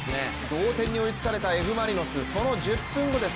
同点に追いつかれたＦ・マリノス、その１０分後です。